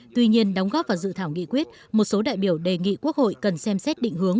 tuy nhiên đóng góp vào dự thảo nghị quyết một số đại biểu đề nghị quốc hội cần xem xét định hướng